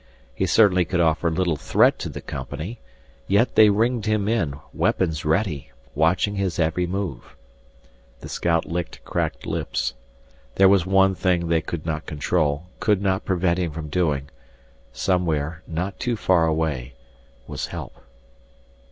He certainly could offer little threat to the company, yet they ringed him in, weapons ready, watching his every move. The scout licked cracked lips. There was one thing they could not control, could not prevent him from doing. Somewhere, not too far away, was help